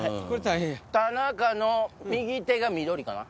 田中の右手が緑かな。